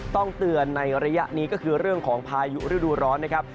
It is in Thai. ต้องเตือนในระยะนี้ก็คือเรื่องของพายุฤดูร้อนนะครับ